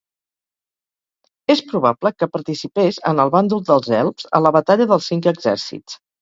És probable que participés en el bàndol dels elfs a la Batalla dels Cinc Exèrcits.